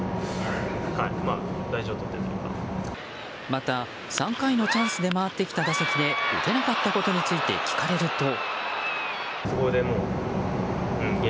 また、３回のチャンスで回ってきた打席で打てなかったことについて聞かれると。